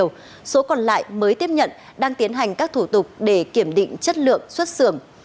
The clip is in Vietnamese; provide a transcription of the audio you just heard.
số còn lại mới tiếp nhận đang tiến hành các thủ tục để kiểm định chất lượng xuất xưởng